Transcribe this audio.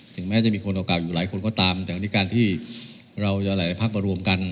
ถึงแม้จะมีโอกาสอยู่หลายคนก็ตามแต่วันนี้การที่เราหลายหลายภาคมารวมกัน